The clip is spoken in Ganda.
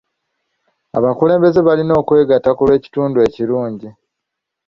Abakulembeze balina okwegatta ku lw'ekitundu ekirungi.